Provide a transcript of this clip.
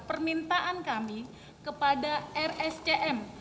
permintaan kami kepada rscm